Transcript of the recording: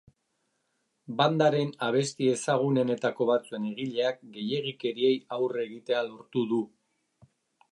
Bandaren abesti ezagunenetako batzuen egileak gehiegikeriei aurre egitea lortu du.